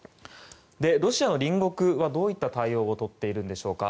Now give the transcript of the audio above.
ロシアの隣国はどういった対応を取っているんでしょうか。